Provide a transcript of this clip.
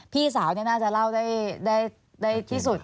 พี่สาวน่าจะเล่าได้ที่สุด